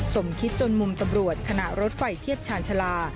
สมคิดจนมุมตำรวจขณะรถไฟเทียบชาญชาลา